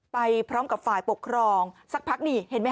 ไปพร้อมกับฝ่ายปกครองสักพักนี่เห็นไหมค